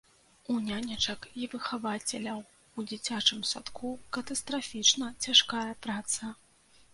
У нянечак і выхавацеляў ў дзіцячым садку катастрафічна цяжкая праца.